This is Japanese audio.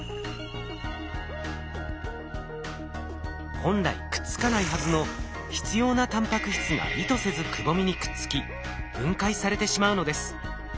本来くっつかないはずの必要なタンパク質が意図せずくぼみにくっつき分解されてしまうのです。